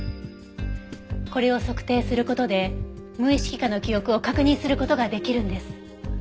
これを測定する事で無意識下の記憶を確認する事ができるんです。